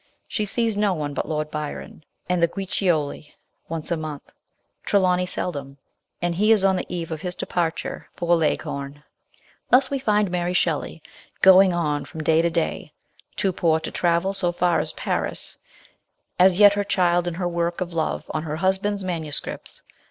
She sees no one but Lord Byron and the Guiccioli once a month, Trelawny seldom, and he is on the eve of his departure for Leghorn. Thus we find Mary Shelley going on from day to day, too poor to travel so far as Paris, as yet her child and her work of love on her husband's MS.